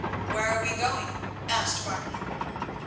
"Where are we going?" asked Martin.